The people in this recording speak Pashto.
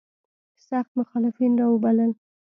سخت مخالفین را وبلل.